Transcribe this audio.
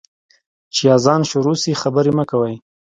چي اذان شروع سي، خبري مه کوئ.